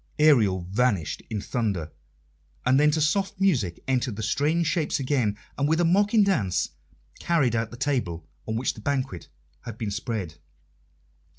Ariel vanished in thunder, and then to soft music entered the strange shapes again, and, with a mocking dance, carried out the table on which the banquet had been spread.